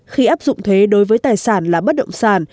khi áp dụng thuế đối với tài sản là bất động sản